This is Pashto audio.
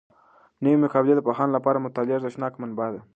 نوي مقالې د پوهانو لپاره د مطالعې ارزښتناکه منبع ده.